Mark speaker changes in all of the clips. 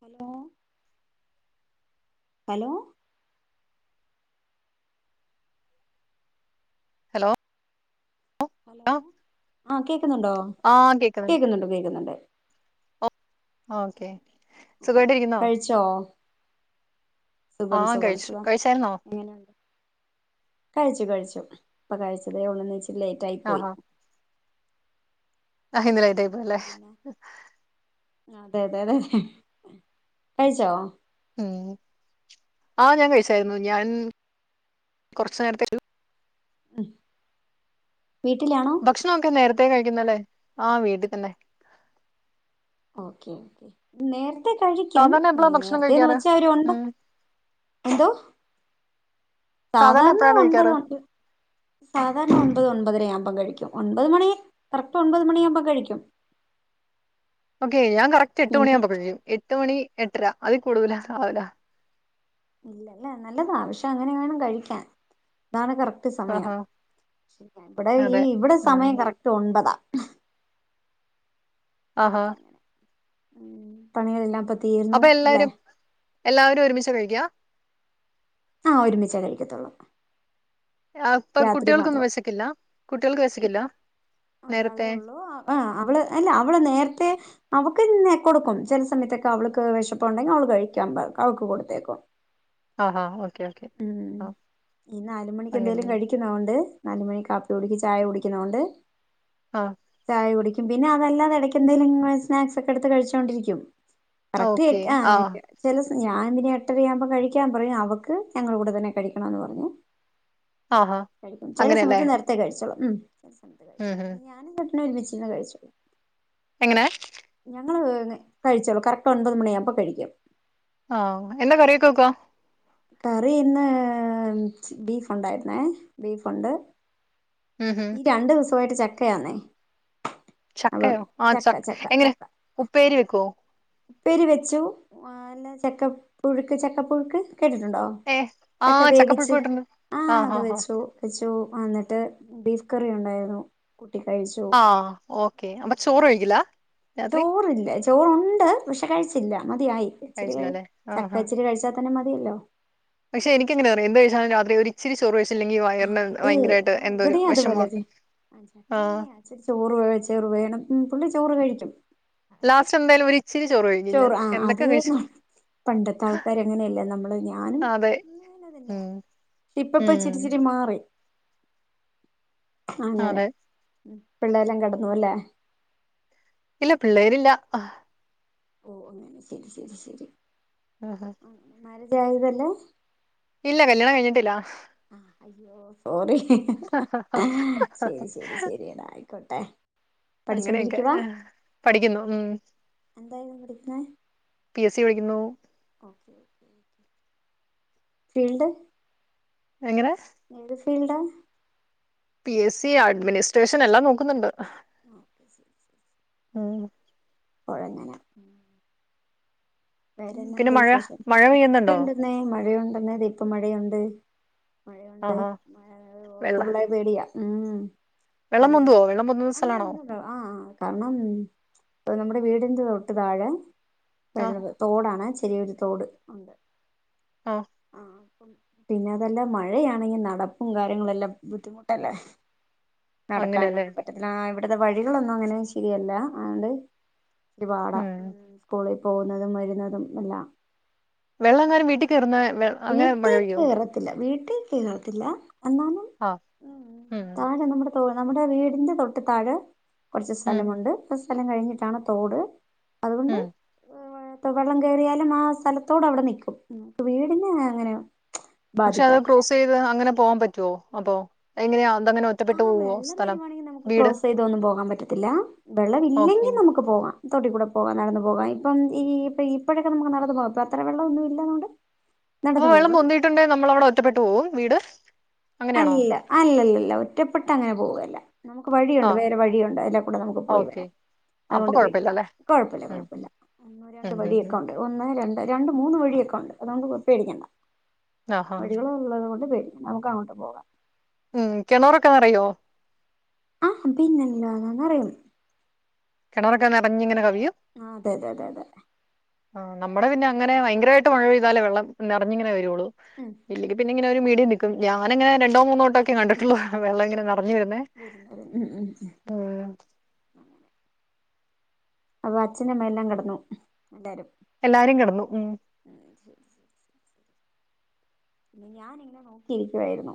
Speaker 1: Hello hello
Speaker 2: hello
Speaker 1: hello ആ കേക്കുന്നുണ്ടോ കേക്കുന്നുണ്ട് കേക്കുന്നുണ്ട്.
Speaker 2: ഓക്കേ
Speaker 1: ഓക്കെ
Speaker 2: സുഖമായിട്ടിരിക്കുന്നോ
Speaker 1: കഴിച്ചോ
Speaker 2: ആ
Speaker 1: സുഖം സുഖം
Speaker 2: കഴിച്ചു
Speaker 1: സുഖം
Speaker 2: കഴിച്ചായിരൂന്നോ
Speaker 1: എങ്ങനെയുണ്ട് കഴിച്ചു കഴിച്ചു ഇപ്പൊ കഴിച്ചതേള്ളൂ [unintelligible] ലൈറ്റായി പോയി.
Speaker 2: ആഹാ ആ ഇന്ന്
Speaker 1: ഉം
Speaker 2: ലൈറ്റായി പോയി
Speaker 1: അപ്പം
Speaker 2: ല്ലേ
Speaker 1: പിന്നെ അതെ തെ തെ കഴിച്ചോ?
Speaker 2: ഉം ആ ഞാൻ കഴിച്ചായിരുന്നു ഞാൻ കൊറച്ച നേരത്തെ
Speaker 1: മ്
Speaker 2: ഭക്ഷണം ഒക്കെ നേര ത്തേ കഴിക്കുന്നല്ലേ ആ വീട്ടിൽത്തന്നെ
Speaker 1: ഓക്കെ നേര കഴിക്കും
Speaker 2: സാധാരണ എപ്പളാ ഭക്ഷണം
Speaker 1: നേരത്തെന്ന്
Speaker 2: കഴിക്കാറ്
Speaker 1: വെച്ചാൽ ഒരു ഒപത്
Speaker 2: ഉം
Speaker 1: എന്തോ സാധാരണ
Speaker 2: എപ്പഴാ
Speaker 1: ഒൻപത്
Speaker 2: കഴിക്കാറ്
Speaker 1: ഒ സാധാരണ ഒൻപത് ഒപതരയാ [unintelligible] കഴിക്കും ഒൻപത് മണി കറക്റ്റ് ഒൻപത് മണിയാകുമ്പോ കഴിക്കും
Speaker 2: ഓക്കെ ഇയാൾ കറക്റ്റ്
Speaker 1: ഇന്ന്
Speaker 2: എട്ട്ണിയാമ്പോ കഴിക്കും എട്ട്മണി എട്ടര അതി കൂടുതല ആവല
Speaker 1: ഇല്ലല്ലേ നല്ലതാ പക്ഷെ അങ്ങനെ വേണം കഴിക്കാൻ ഇതാണ് കറ റ്റ് സമയ
Speaker 2: ആഹാ
Speaker 1: ഇവിടെ ഈ
Speaker 2: അതെ
Speaker 1: ഇവിടെ
Speaker 2: ഉം
Speaker 1: സമയം കറക്റ്റ് ഒൻപതാ
Speaker 2: ആഹാ
Speaker 1: ഉം പണികൾ എല്ലാം പെ തീർന്നു
Speaker 2: അപ്പൊ
Speaker 1: അല്ലെ
Speaker 2: എല്ലാവരും എല്ലാവരും ഒരുമിച്ച കഴിക്കാ
Speaker 1: ആഹ ഒരുമിച്ച കഴിക്കത്തുള്ളൂ
Speaker 2: അപ്പ
Speaker 1: രാത്രി
Speaker 2: കുട്ടികൾക്ക് ഒന്നും
Speaker 1: മാത്രം
Speaker 2: വിശക്കില്ല കുട്ടികൾക്ക് ക്കില്ല
Speaker 1: ഒരാളെ ഉള്ളു ആ അവള് അല്ല അവള് നേരത്തെ അവക്ക് ഇന്നെ കൊടുക്കും ചില സമയത്തൊക്കെ അവൾക്ക് വിഷപ്പുണ്ടെങ്കിൽ അവള് കഴിക്കാൻ അവക്ക് കൊടുത്തേക്കും
Speaker 2: ആഹ ആഓ
Speaker 1: ഉം ഈ നാല് മണിക്ക് എന്തെലും
Speaker 2: അങ്ങനെയല്ലേ
Speaker 1: കഴിക്കുന്നൊണ്ട് നാല് മണിക്ക്‌ കാപ്പി കുടിച്ച് ചായ കുടിക്കുന്നതൊണ്ട്
Speaker 2: ആ
Speaker 1: ചായ കുടിക്ക എന്തിനാ അതെല്ലാം [unintelligible] സ്നാക്ക്സ് ഒക്കെ എടുത്തു കഴിച്ചോണ്ടിരിക്കും കറക്റ്റ് ആ ചില ഞാൻ പിന്നെ എട്ടര ആകുമ്പോ കഴിക്കാൻ പറയും അവക്ക് ഞങ്ങടെ കൂടെ തന്നെ കഴിക്കണോന്ന് പറഞ്ഞ്
Speaker 2: ആഹാ
Speaker 1: കഴിക്കും ചില
Speaker 2: അങ്ങനെയല്ലേ
Speaker 1: സമയത്തു നേരത്തെ കഴിക്കും മ്മ്
Speaker 2: ഉം ഉം
Speaker 1: [inaudible] ഞാനും ഒരുമിച്ചു ഇരുന്നു കഴിച്ചോളും
Speaker 2: എങ്ങനെ
Speaker 1: കറക്റ്റ് ഒമ്പതു മണിയാകുമ്പോ കഴിക്കും
Speaker 2: ആ എന്താ കറി ഒക്കെ വെക്കുക
Speaker 1: കറി ഇന്ന് ബീഫ് ഉണ്ടായിരുന്നു ബീഫ് ഉണ്ട്
Speaker 2: ഉം ഉം
Speaker 1: രണ്ടു ദിവസം ആയിട്ട് ച- ക്കയാണേ
Speaker 2: ചക്കയോ ആ ചക്ക എങ്ങനെ
Speaker 1: ചക്ക
Speaker 2: ഉപ്പേരി വെക്കുവോ
Speaker 1: ഉപ്പേരി വെച്ചു ചക്ക പുഴുക്ക് ചക്ക പ്പുഴുക്ക് കേട്ടിട്ടുണ്ടോ
Speaker 2: ഏ ആ
Speaker 1: ചക്ക വേവിച്ചു
Speaker 2: ചക്കപ്പുഴുക്കുവെട്ടുണ്ട്
Speaker 1: ആ അത്
Speaker 2: ഹാ ഹാ
Speaker 1: വെച്ചു വെച്ചു എന്നിട്ട് ബീഫ് കറി ഉണ്ടായിരുന്നു കഴിച്ചു
Speaker 2: ആ ഓക്കേ അപ്പം ചോറ് കഴി- ക്കില്ല
Speaker 1: തോറില്ല ചോറുണ്ട് വിഷ കഴിച്ചില്ല മതിയ ഇച്ചിരി
Speaker 2: കഴിച്ചില്ല
Speaker 1: ക
Speaker 2: അല്ലേ ആഹാ
Speaker 1: ചക്ക ഇച്ചിരി കഴിച്ചാ അഛനെ മതിയല്ലോ
Speaker 2: പക്ഷെ എനിക്ക്ങ്ങനെയ എന്ത്ാാലും രാത്രി ചോറ
Speaker 1: ആ അത് ആ എവിടെയാ അത്പലെതെ
Speaker 2: വിഷമമാണ്
Speaker 1: ച
Speaker 2: ആ
Speaker 1: എങ്ങനെയാ ചോറ്പ ചെറു വേണംുള്ളി ചോറ് കഴിക്കും
Speaker 2: ലാസ്റ്റ് എന്തായാലും ഒരു ഇച്ചിരി കഴിക്കും ഞാൻ
Speaker 1: ചോറ് ആ
Speaker 2: എന്തൊക്കെ
Speaker 1: അത്
Speaker 2: കഴിച്ചു
Speaker 1: പണ്ടത്തെ ആൾക്കാര അങ്ങനെയല്ലേ നമ്മള് ഞാനും
Speaker 2: അതെ
Speaker 1: അങ്ങ തന്നെയ
Speaker 2: ഉം
Speaker 1: ഇപ്പപ്പ
Speaker 2: ഉം
Speaker 1: ചിരിച്ചിരി മാറി അങ്ങനെ
Speaker 2: അതെ
Speaker 1: പിള്ളെല്ലാം കിടന്നു അല്ലേ
Speaker 2: ഇല്ല പിള്ളേരില്ല
Speaker 1: ഓ അന്നന്നെ ശരി ശരി ശരി ആ മര അതായതല്ലേ
Speaker 2: ഇല്ല കല്യാണം കഴിഞ്ഞിട്ടില്ല
Speaker 1: ആഹ് അയ്യോ സോറി
Speaker 2: ആ
Speaker 1: ക്കോട്ടെ
Speaker 2: അങ്ങനെയൊക്കെ പഠിക്കുന്നു
Speaker 1: എന്തായിരുന്നു പഠിക്കുന്നെ
Speaker 2: ഉസ് വിളിക്കുന്നു
Speaker 1: ഫീൽഡ്
Speaker 2: എങ്ങനെ
Speaker 1: എന്ത് ഫീൽഡാ
Speaker 2: പി എസ് സി അഡ്മിനിസ്ട്രേഷൻ എല്ലാം നോക്കുന്നുണ്ട്
Speaker 1: ഓക്കെ ശരി ശരിരി
Speaker 2: ആഹ
Speaker 1: ഒഴങ്ങനെ
Speaker 2: പിന്നെ
Speaker 1: വേറെന്താണ്ട്
Speaker 2: മഴ
Speaker 1: വിശേഷം
Speaker 2: മഴ പെയ്യുന്നുണ്ടോ
Speaker 1: മഴുണ്ടന്നേ മഴയ പറന്നതെ ഇപ്പ മഴയുണ്ട് മഴയുണ്ട്
Speaker 2: ആഹാ
Speaker 1: മ
Speaker 2: വെള്ള
Speaker 1: ഓക്ക്പളേ പേടിയ പറ
Speaker 2: വെള്ളം പൊന്തുവോ വെള്ളം പൊന്തുന്ന
Speaker 1: ഒന്ന
Speaker 2: സ്ഥലാണോ
Speaker 1: ഒന്നും ഇല്ല ആഹ കാരണം അ നമ്മുടെ വീട്ന്ത് തൊട്ട് താഴെ
Speaker 2: ആ
Speaker 1: പള്ളത് തോടാണ് ചെറിയൊരു തോട് ഉണ്ട്
Speaker 2: ആ
Speaker 1: ആഹ പിന്നെ അതെല്ലാം മഴയാണെങ്കിൽ നടപ്പും കാര്യങ്ങളെല്ലാം ബുദ്ധിമുട്ടല്ലേ
Speaker 2: അങ്ങനെയല്ലേ
Speaker 1: നടക്കാനൊന്നും പറ്റത്തില്ല ഇവിടെ ഇണ്ടത്തെ വഴികളൊന്നും അങ്ങനെ ശരിയല്ല അതൊണ്ട് വാട
Speaker 2: ഉം
Speaker 1: സ്കൂള പോന്നത് മൊയാൽ ന്നാതും അല്ല
Speaker 2: വെള്ള കാരും വീട്ടി കേറുന്നേ
Speaker 1: വീട്ടി കേറത്തില്ല വീ ട്ടി കേറാത്തില്ല
Speaker 2: ആഹ് ഉം
Speaker 1: ഓ നമ്മുടെ വീടിന്റെ തൊട്ടുത്തായെ കുറച്ച്
Speaker 2: ഉം
Speaker 1: സ്ഥലമുണ്ട് സ്ഥലം കഴിഞ്ഞിട്ടാണ് തോട് അതുകൊണ്ട്
Speaker 2: ഉം
Speaker 1: വാ ത് വെള്ളം കെറിയാലും ആ സ്ഥലത്തോട് അവിടെ നിൽക്കും നമുക്ക് വീട് പിന്നെ അങ്ങനെയ
Speaker 2: പക്ഷെ അത് ക്രോസ് ചെയ്ത് അങ്ങനെ പോകാൻ പറ്റുമോ അപ്പൊ എങ്ങനെയാ അതങ്ങനെ ഒറ്റപ്പെട്ടു
Speaker 1: ആ
Speaker 2: പോവോ
Speaker 1: വെള്ളം
Speaker 2: സ്ഥലം
Speaker 1: തരുവാണെങ്കിൽ നമുക്ക്
Speaker 2: വീട്
Speaker 1: ക്രോസ് ചെയ്തൊന്നും പോകാൻ പറ്റത്തില്ല വെള്ളം
Speaker 2: ഓക്കെ
Speaker 1: ഇല്ലെങ്കിൽ നമുക്ക് പോകാം തോട്ടികൂടെ പോകാം നടന്ന് പോകാം ഇപ്പം ഈ ഇപ്പ ഇപ്പോഴൊക്കെ നമക്ക് നടന്ന് പോകാം ഇപ്പൊ അത്ര വെള്ളന്നും ഇല്ലാതൊണ്ട്
Speaker 2: അപ്പൊ വെള്ളം പൊന്തീട്ടുണ്ടെങ്കി നമ്മളവിടെ ഒറ്റപ്പെട്ട് പോകും വീട് അങ്ങനെയാണോ
Speaker 1: അല്ല അല്ലല്ലല്ല ഒറ്റപ്പെട്ടങ്ങനെ പോവല്ല നമുക്ക്
Speaker 2: ആ
Speaker 1: വഴിയുണ്ട് വേറെ വഴിയുണ്ട് അതിലെ കൂടെ നമുക്ക് പോയി
Speaker 2: ഓക്കെ
Speaker 1: വരാം
Speaker 2: അപ്പൊ
Speaker 1: അതുകൊണ്ട് പേടിക്കണ്ട
Speaker 2: കുഴപ്പമില്ലല്ലേ
Speaker 1: കൊഴപ്പല്ല
Speaker 2: ഉം
Speaker 1: കൊഴപ്പല്ല ഒന്ന് ഒന്ന്, രണ്ട്
Speaker 2: ഉം ഉം ഉം.
Speaker 1: വഴിയൊക്കെ ഉണ്ട് ഒന്ന് രണ്ട് രണ്ട് മൂന്ന് വഴിയൊക്കെ ഒണ്ട് അതുകൊണ്ട് പേടിക്കണ്ട
Speaker 2: ആഹാ
Speaker 1: വഴികളുള്ളത്കൊള്ളത് കൊണ്ട് പേ നമുക്ക്‌ കാണ പോവ
Speaker 2: ഉം കിണറൊക്കെ നെറയോ?
Speaker 1: ആഹ് പിന്നെല്ലാതെ നെറയും
Speaker 2: കിണറൊക്കെ നിറഞ്ഞിങ്ങെനെ
Speaker 1: ആ അതെതെ അതെ
Speaker 2: ആ നമ്മടെ പിന്നങ്ങനെ ഭയങ്കരമായിട്ട് മഴ പെയ്താലേ വെള്ളം നിറഞ്ഞിങ്ങനെ വരൊള്ളു
Speaker 1: ഉം
Speaker 2: ഇല്ലെങ്കിൽ പിന്നെ ഇങ്ങനെ ഒരു മീഡിയം നിക്കും ഞാനങ്ങനെ രണ്ടോ മൂന്നോ വട്ടൊക്കെ കണ്ടിട്ടൊള്ളു വെള്ളങ്ങനെ പറഞ്ഞിരുന്നേ
Speaker 1: വരുന്നത് ഉം ഉം
Speaker 2: ഉം
Speaker 1: അത് അച്ചനും അമ്മയെല്ലാം കെടന്നു ല്ലാരും
Speaker 2: എല്ലാരും കിടന്നു ഉം.
Speaker 1: ഇനി ഞാനിങ്ങനെ നോക്കിയിരിക്കുവായിരുന്നു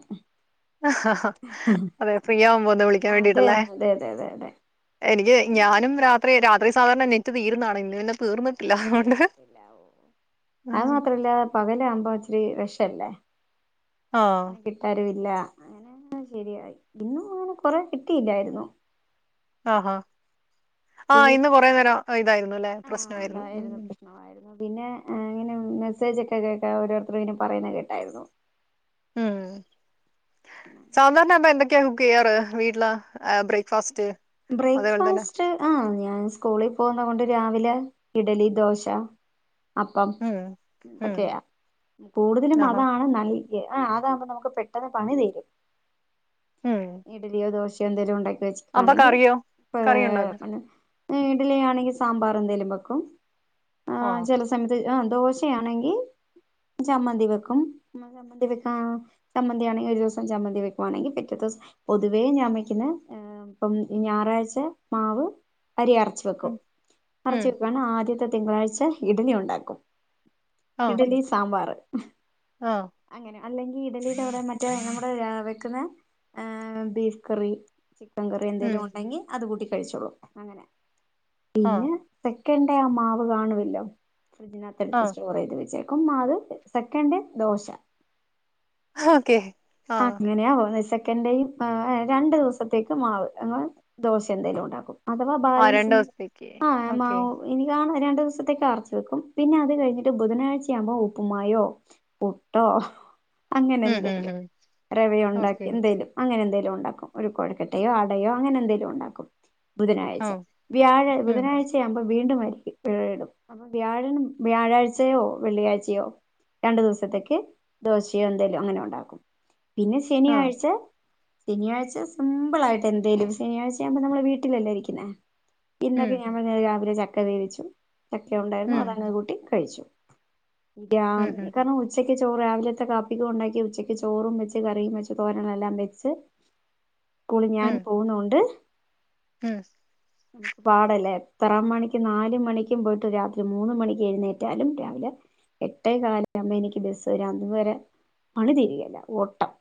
Speaker 2: അതെ ഫ്രീ ആകുമ്പോ ഒന്ന് വിളിക്കാൻ വേണ്ടിട്ട്
Speaker 1: അതെ
Speaker 2: അല്ലെ
Speaker 1: അതെ അതെ അതെ അതെ
Speaker 2: എനിക്ക്
Speaker 1: എന്നാ
Speaker 2: ഞാനും രാത്രി രാ സാധാരണ നെറ്റ് തീരുന്നതാണ് ഇന്ന് പിന്നെ തീർന്ന്
Speaker 1: അതുമാത്രമല്ല പകൽ ആകുമ്പോൾ ഇച്ചിരി വേശ് അല്ലെ
Speaker 2: ആ ആ
Speaker 1: ഇനി കിറ്റാരുവില്ല അങ്ങനെ ശെരി ആയി ഇന്ന് മുഴുവനും കൊറേ കിട്ടില്ലായിരുന്നു
Speaker 2: ആ ഹ ആ ഇന്ന് കുറെ നേരം ഇതായിരുന്നുലെ
Speaker 1: ആ
Speaker 2: പ്രശ്നായിരുന്നു
Speaker 1: അതായിരുന്നു പ്രശ്നമായിരുന്നു പിന്നെ ഇങ്ങനെ മെസ്സേജ് ഒക്കെ കേക്കാ ഓരോരുത്തര് ഇങ്ങനെ പറയുന്ന കേട്ടായിരുന്നു
Speaker 2: ഉം സാധാരണ എന്ന എന്തൊക്കെ എന്തൊക്കെ കുക്കിയ്യാറ് വീട്ടില് ആ ബ്രേക്ക് ഫാസ്റ്റ്
Speaker 1: ബ്രേക്ക് ഫാസ്റ്റ് ആ ഞാൻ ആ സ്കൂളിൽ പോകുന്നത് കൊണ്ട് രാവിലെ ഇഡലി ദോശ അപ്പം
Speaker 2: ഉം ഉം
Speaker 1: ഒക്കെയാ കൂടുതലും
Speaker 2: ആഹാ
Speaker 1: അതാണ് നല്ല ആ അതാവുമ്പോ നമുക്ക് പെട്ടെന്ന് പണി തീരും
Speaker 2: ഉം
Speaker 1: ഇഡലിയൊ ദോശയോ എന്തെലും ഉണ്ടാ ക്കി
Speaker 2: അപ്പൊ
Speaker 1: വെച്ചേക്കുവാണെകിൽ
Speaker 2: കറിയോ കറി
Speaker 1: ഏ
Speaker 2: ഉണ്ടാക്കും
Speaker 1: പിന്നെ ഇഡ്ഡലിയാണെങ്കിൽ സാമ്പാർ എന്തെങ്കിലും വെക്കും വെക്കും ആ
Speaker 2: ആഹ്
Speaker 1: ചില സമയത്ത് ആ ദോശ ആണെങ്കിൽ ചമ്മന്തി വെക്കും ചമന്തിആണെങ്കിൽ ഒരു ദിവസം ചമ്മന്തി വെക്കുവാണെങ്കിൽ പിറ്റത്തെ ദിവസം പൊതുവേ ഞാൻ വെക്കുന്നത് ആ ഇപ്പം ഞായറാഴ്ച മാവ് അരി അരച്ചു
Speaker 2: ഉം
Speaker 1: വെക്കും
Speaker 2: ഉം
Speaker 1: അരച്ചെടുകാണ് ആദ്യത്തെ തിങ്കളാഴ്ച ഇഡലി ഉണ്ടാക്കും
Speaker 2: ആഹ്
Speaker 1: ഇഡലി സാമ്പാർ
Speaker 2: ആഹ്
Speaker 1: അങ്ങനെ അല്ലെങ്കിൽ ഇഡ്ഡലി കൂടെ മറ്റേ നമ്മടെ ആ വെക്കുന്ന ആ ബീഫ് കറി ചിക്കൻ കറി എന്തെങ്കിലും
Speaker 2: ഉം
Speaker 1: ഉണ്ടെങ്കിൽ അത് കൂട്ടി കഴിച്ചോളും അങ്ങനെ
Speaker 2: ആഹ്
Speaker 1: പിന്നെ പെ ക്കെണ്ടെ ആ മാവ് കാണുവില്ലോ ഫ്രഡ്ജിനത്തെടുത്ത്
Speaker 2: ആഹ്
Speaker 1: സ്റ്റോർ ചെയ്ത് വച്ചേ ക്കും മാവ് സെക്കൻന്റ് ദോശ
Speaker 2: ഓക്കെ
Speaker 1: ആ
Speaker 2: ആഹ്
Speaker 1: അങ്ങനെയാോ ചെക്കയും രണ്ടു ദിവസത്തേക്ക് മാവ് അങ്ങെ ദോശ എന്തെലും ഉണ്ടാക്കും അഥവാ
Speaker 2: ആഹ് രണ്ട്
Speaker 1: ബാലൻസ്
Speaker 2: ദിവസത്തേക്ക്
Speaker 1: ആ മാ
Speaker 2: ഓക്കെ
Speaker 1: എനി കാണ രണ്ടു ദിവസത്തേക്ക് അറച്ച വെക്കും പിന്നെ അത് കഴിഞ്ഞിട്ട് ബുധനാഴ്ച ആകുമ്പോൾ ഉപ്പുമായോ പുട്ടോ അങ്ങനെ
Speaker 2: ഉം ഉം
Speaker 1: എന്തേലും
Speaker 2: ഉം
Speaker 1: രറെവയ ഉണ്ടാക്കി
Speaker 2: ഓക്കെ
Speaker 1: എന്തേലും അങ്ങനെ എന്തേലും ഒരു കോഴക്കട്ടയോ അടയോ അങ്ങനെ എന്തെങ്കലും ഉണ്ടാക്കും ബുധനാഴ്ച
Speaker 2: ആഹ്
Speaker 1: വ്യാഴ
Speaker 2: ഉം
Speaker 1: ബുധനാഴ്ച ആവുമ്പോ വീണ്ടുംമായി ടും അപ്പൊ വ്യാഴ വ്യാഴാഴ്ചയോ വെള്ളിയാഴ്ചയോ രണ്ടു ദിവസത്തേക്ക് ദോശയോ എന്തേലോ അങ്ങനെ ഉണ്ടാക്കും പിന്ന ശ ശനിയ
Speaker 2: ആഹ്
Speaker 1: ആായിരിച്ച ശനിയാഴ്ച സിമ്പിൾ ആയിട്ട് എന്തേലും ശനിയാഴ്ച ആ്യുമ്പോൾ നമ്മളെ വീട്ടിലല്ലേ ഇരിക്കുന്നേ
Speaker 2: ഉം
Speaker 1: ഇന്നൊക്കെ ഞമ്മ നേിലെ ഒക്കെ നവിച്ചു ഒൊക്കെ ഉണ്ടായിരുന്നു
Speaker 2: ഉം
Speaker 1: അതങ്ങ് കൂട്ടി കഴിച്ചു ഇാ
Speaker 2: ഉം ഉം
Speaker 1: കാരണം ഉച്ചക്ക് ചോറ് രാവിലത്തെ കാപ്പിക ഉണ്ടാക്കി ഉച്ചയ്ക്ക് ചോറും വെച്ച് കറിയും വെച്ച് തോരങ്ങളെല്ലാം വെച്ച് ഇൂളി ഞൻ പോകുന്നുോണ്ട്
Speaker 2: ആഹ
Speaker 1: നമുക്ക് പാടല്ലേ എത്രാം മണിക്ക്ും നാല മണിക്കും പോയിട്ട് രാത്രി മൂന്ന് മണിക്ക് എഴുന്നേറ്റാലും രാവിലെ എട്ടേ കാല ആുമ്പോ എനിക്ക് ബസ് ഒരു അ വരെ മണി തതിരിക ഓട്ടം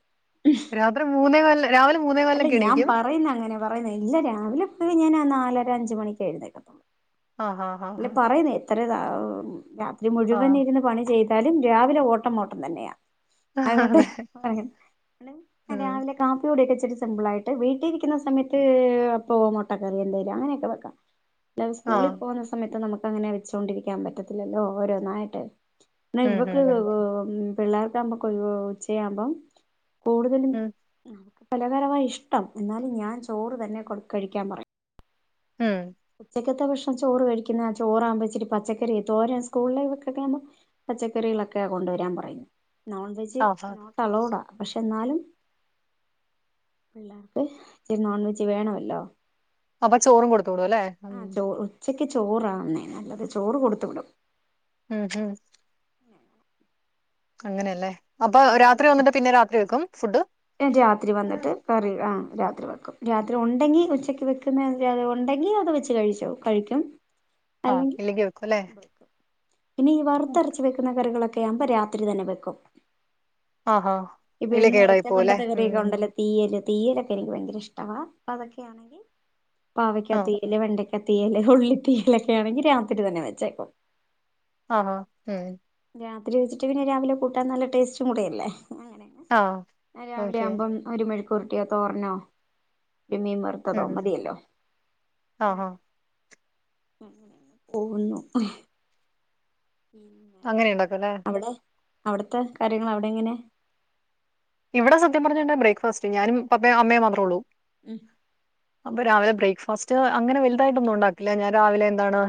Speaker 2: രാത്രി മൂന്നേ നല്ലേ രാവിലെ മൂന്നേ വല്ലെ
Speaker 1: അല്ല ഞാൻ
Speaker 2: ഇണക്കും
Speaker 1: പറയുന്ന അങ്ങനെ പറയുന്ന ഇല്ല രാവിലെ പോ ഞാൻാ നാലര അഞ്ച മണിക്ക് എഴുന്നേക്കത്തോൂ
Speaker 2: ആഹ് ആഹ് ആഹ്
Speaker 1: അല്ല
Speaker 2: ആഹ്
Speaker 1: പറയുന്നേ എത്രയതാ അ ഇത് മുഴുവൻ
Speaker 2: ആഹ്
Speaker 1: ഇരുന്ന് പണി ചെയ് എാലും രാവിലെ ഓട്ടം ഓട്ടം തന്നെയാ അതുകൊണ്ട്
Speaker 2: അതെ
Speaker 1: പറയഞ
Speaker 2: ഉം.
Speaker 1: രാവിലെ കാപ്പി കൂടെൊക്കെ ഇച്ചരി സിമ്പിൾ ആായിട്ട് വീട്ടിലിരിക്കുന്ന സമയത്ത് പോ മുട്ട കറി എന്തര് അങ്ങനെയൊക്കെ വെക്കാം ഞൻ
Speaker 2: ആഹ്.
Speaker 1: സ്കൂളിൽ പോകുന്ന നമുക്ക് അങ്ങനെ വെച്ചൊണ്ടിരിക്കാൻ പറ്റത്തില്ലോ ഒരോന്നായിട്ട് ന്നാ
Speaker 2: ഉം, ഉം,
Speaker 1: ഇവക്ക്
Speaker 2: ഉം.
Speaker 1: പിള്ളേർക്കാവുമ്പോ കൊ ഉച്ചയാവുമ്പം കൂടുതലും
Speaker 2: ഉം,
Speaker 1: നമുക്ക് പലഹാരമായി ഇഷ്ടം എന്നാലും ഞാൻ ചോറ് തന്നെ കൊട് കഴിക്കാൻ പറയും
Speaker 2: ഉം.
Speaker 1: ഉച്ചക് ക്കെത്തെ ഭക്ഷണം ചോറ് കഴിക്കുന്ന ചോറാവുമ്പോ ഇച്ചിരി പച്ചക്കറി തോരൻ സ്കൂളിലൈവക്കൊക്കെ ആവുമ്പോ പച്ചക്കറികളൊക്കെ കൊണ്ടുവരാൻ പറയും നോൺവെജ്
Speaker 2: ആഹ് ആഹ്.
Speaker 1: നോട്ട്‌ അലൗടാ പക്ഷെ എന്നാലും പിള്ളേർക്ക് ഇച്ചിരി നോൺവെജ് വേണമല്ലോ
Speaker 2: അപ്പൊ ചോറും കൊട് ത്ത് വിടൂലേ അം
Speaker 1: ആ ചോ ഉച്ചക്ക് ചോറാന്നേ നല്ലത് ചോറ് കൊടുത്ത് വിടും
Speaker 2: ഉം ഹം അങ്ങനെയല്ലേ അപ്പൊ
Speaker 1: അങ്ങനെ
Speaker 2: രാത്രി വന്നിട്ട് പിന്നെ രാത്രി വെക്കും ഫുഡ്
Speaker 1: രാത്രി വന്നിട്ട് കറി ആ രാ- രാത്രി വെക്കും രാത്രി ഉണ്ടെങ്കിൽ ഉച്ചക്ക് വെക്കുന്ന ഉണ്ടെങ്കിൽ അത് വെച്ച് കഴിക്കും
Speaker 2: ആ
Speaker 1: അല്ലെങ്കിൽ
Speaker 2: ഇല്ലങ്കി വെയ്ക്കും ഇല്ലേ
Speaker 1: വെക്കും. പിന്നെ ഈ വറുത്തരച്ച് വെക്കുന്ന കറികളൊക്കെ- ആവുമ്പോ രാത്രി തന്നെ വെക്കും
Speaker 2: ആ ആ
Speaker 1: ഇപ്പൊ
Speaker 2: ഇല്ലേ കേടായി പോകും ഇല്ലേ
Speaker 1: തീയാലൊക്കെ എനിക്ക് ഭയങ്കര ഇഷ്ടമാണ് അപ്പൊ അതൊക്കെയാണെങ്കിൽ-
Speaker 2: ആഹ്.
Speaker 1: പാവക്കാത്തിയാൽ വെണ്ടെ ക്കെ തീയൽ ഉള്ളി തീയലൊക്കെ ആണെങ്കി രാത്രി തന്നെ വെച്ചേക്കും
Speaker 2: ആ ആ ഉം
Speaker 1: രാത്രി വെച്ചിട്ട് പിന്നെ രാവിലെ കൂട്ടാൻ നല്ലടേസ്റ്റും കൂടയല്ലേ
Speaker 2: ആഹ്.
Speaker 1: അങ്ങനെയ രാവിലെ
Speaker 2: ഓക്കെ.
Speaker 1: ആവുമ്പം ഒരു മെഴ് ക്ക്‌ ഉരുട്ടിയോ തോരനോ ഒരു മീൻ
Speaker 2: ഉം.
Speaker 1: വറുത്തതോ
Speaker 2: ഉം.
Speaker 1: മതിയല്ലോ
Speaker 2: ആഹാ.
Speaker 1: അങ്ങനെ പോകുന്നു
Speaker 2: അങ്ങനേണ്ടാക്കലേ
Speaker 1: അവ്ട്ത്തെ കാര്യങ്ങള് അവിടെ എങ്ങനെ
Speaker 2: ഇവിടെ സത്യം പറഞ്ഞ്ണ്ടെ ബ്രേക്ക്ഫാസ്റ്റ് ഞാനും പപ്പേം അമ്മേം മാത്രാെള്ളൂ
Speaker 1: ഉം
Speaker 2: അപ്പ രാവ്‌ലെ ബ്രേക്ക്ഫാസ്റ്റ് അങ്ങനെ വൽതായിട്ടാെന്നും ഒണ്ടാക്കില്ല ഞാൻ രാവിലെ എന്താണ്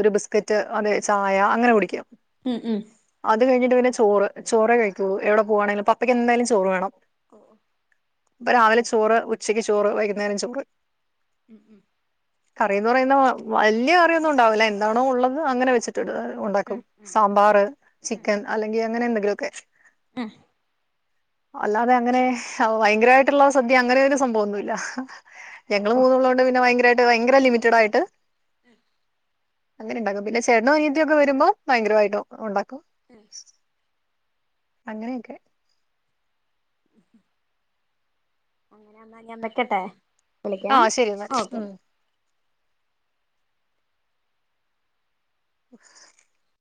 Speaker 2: ഒര് ബിസ്ക്കറ്റ് അല്ലെ ചായ അങ്ങനെ കുടിക്കും
Speaker 1: ഉം ഉം
Speaker 2: ട്ട് പിന്നെ ചോറ് ചോറേ കഴിക്കൊള്ളൂ എവിടെ പോവാണേലും പപ്പക്കെന്തായാലും ച് ചോറ് വേണം
Speaker 1: ഓ
Speaker 2: പ്പ രാവിലെ ചോറ് ഉച്ചക്ക് ചോറ് വൈകുന്നേ
Speaker 1: ഉം ഉം
Speaker 2: കറിന്ന് പറയുന്ന വല്യ കറിയൊന്നും ഉണ്ടാവില്ല എന്താണോ ഉള്ളത് [unintelligible] ഒണ്ടാക്കും
Speaker 1: ഉം ഉം
Speaker 2: സാമ്പാറ് ചിക്കൻ അല്ലെങ്കിൽ അങ്ങനെ എ ഇതൊക്കെ [unintelligible]
Speaker 1: മം
Speaker 2: അല്ലാതെ അങ്ങനെ ഒ ഭയങ്കരായിട്ടുള്ള സദ്യ അങ്ങനെ രു സംഭവൊന്നുമല്ല
Speaker 1: ഓ
Speaker 2: ഞങ്ങള്
Speaker 1: ഓ
Speaker 2: മൂന്നൂള്ള കൊണ്ട് പിന്നെ ഭയങ്കരാ [unintelligible] [unintelligible] ഭയങ്കര ലിമിറ്റഡ് ആയിട്ട്
Speaker 1: മം
Speaker 2: അങ്ങനെ എണ്ടാക്കും പിന്നെ ചേട്ടനോ അനിയത്തിയൊക്കെ വരുമ്പോ ഭയങ്കരമായിട്ട് ഒണ്ടാക്കും
Speaker 1: [inaudible]
Speaker 2: അങ്ങനെയൊക്കെ
Speaker 1: അങ്ങനെന്നാ ഞാൻ വെക്കട്ടെ
Speaker 2: ആ
Speaker 1: വിളിക്കാം
Speaker 2: ശരി മതി
Speaker 1: ഓക്കെ
Speaker 2: ഉം [unintelligible]